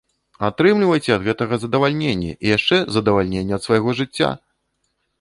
Атрымлівайце ад гэтага задавальненне, і яшчэ задавальненне ад свайго жыцця!